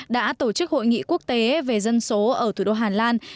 đã tổ chức hội nghị quốc tế về dân số ở thủ đô hà lan